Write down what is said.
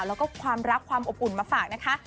แล้วก็ความรักความอบอุ่นมาฝากนะคะ